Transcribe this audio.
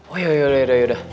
oh yaudah yaudah